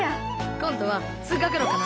今度は通学路かな。